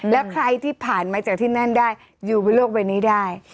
แล้วใครที่ผ่านมาจากที่นั่นได้อยู่บนโลกใบนี้ได้